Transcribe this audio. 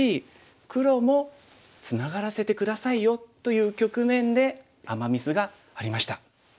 黒も「ツナがらせて下さいよ」という局面でアマ・ミスがありました。